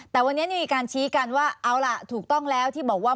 แต่วันนี้มีการชี้กันว่าเอาล่ะถูกต้องแล้วที่บอกว่า